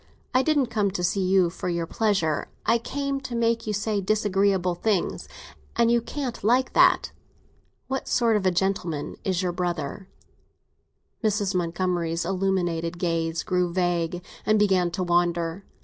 "I didn't come to see you for your pleasure; I came to make you say disagreeable things—and you can't like that. What sort of a gentleman is your brother?" Mrs. Montgomery's illuminated gaze grew vague, and began to wander.